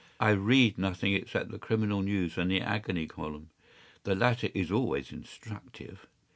I read nothing except the criminal news and the agony column. The latter is always instructive.